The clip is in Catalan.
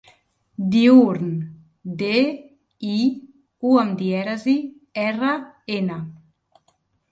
Diürn: de, i, u amb dièresi, erra, ena.